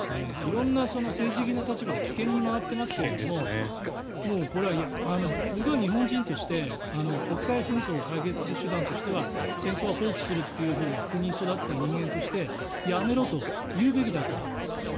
色々な政治的な立場で棄権に回ってますけどももうこれは僕は日本人として国際紛争を解決する手段としては戦争は放棄するという国に育った人間としてやめろと言うべきだと思います。